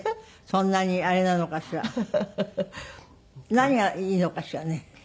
何がいいのかしらね？